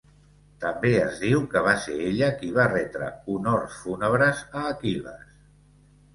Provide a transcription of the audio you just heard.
També es diu que va ser ella qui va retre honors fúnebres a Aquil·les.